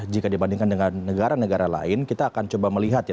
jika dibandingkan dengan negara negara lain kita akan coba melihat ya